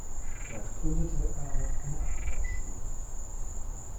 Dort gründete er auch eine Ackerbauschule.